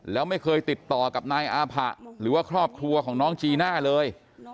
แล้วไม่เคยติดต่อกับนายอาผะหรือว่าครอบครัวของน้องจีน่าเลย